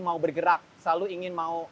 mau bergerak selalu ingin mau